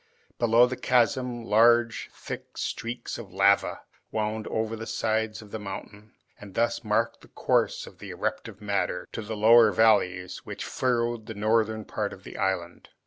Below the chasm, large thick streaks of lava wound over the sides of the mountain, and thus marked the course of the eruptive matter to the lower valleys which furrowed the northern part of the island.